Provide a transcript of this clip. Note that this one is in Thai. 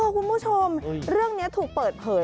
คุณผู้ชมเรื่องนี้ถูกเปิดเผย